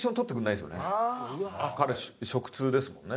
彼食通ですもんね。